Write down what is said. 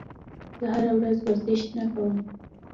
زه هره ورځ ورزش نه کوم.